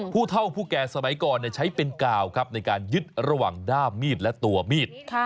ผู้เท่าผู้แก่สมัยก่อนใช้เป็นกาวครับในการยึดระหว่างด้ามมีดและตัวมีด